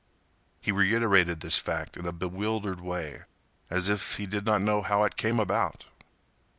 He reiterated this fact in a bewildered way, as if he did not know how it came about.